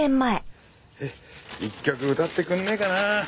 一曲歌ってくんねえかなあ。